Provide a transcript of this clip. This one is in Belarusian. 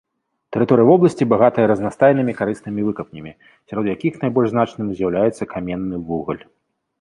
Тэрыторыя вобласці багатая разнастайнымі карыснымі выкапнямі, сярод якіх найбольш значным з'яўляецца каменны вугаль.